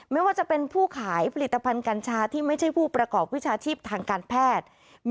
ไม่ว่าจะเป็นผู้ขายผลิตภัณฑ์กัญชาที่ไม่ใช่ผู้ประกอบวิชาชีพทางการแพทย์